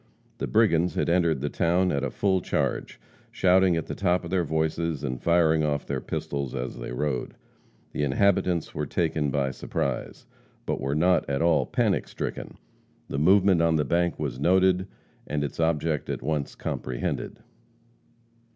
The brigands had entered the town at a full charge, shouting at the top of their voices and firing off their pistols as they rode. The inhabitants were taken by surprise, but were not at all panic stricken. The movement on the bank was noted, and its object at once comprehended.